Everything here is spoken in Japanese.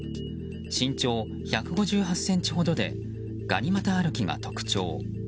身長１５８ｃｍほどでがに股歩きが特徴。